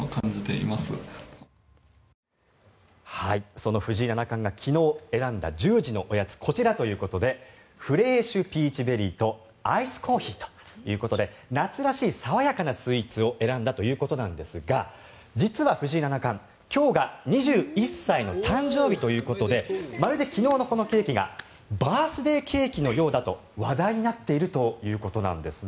その藤井七冠が昨日選んだ１０時のおやつこちらということでフレーシュピーチベリーとアイスコーヒーということで夏らしい爽やかなスイーツを選んだということなんですが実は藤井七冠今日が２１歳の誕生日ということでまるで昨日のこのケーキがバースデーケーキのようだと話題になっているということなんです。